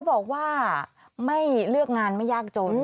เขาบอกว่าเลือกงานไม่ยากจน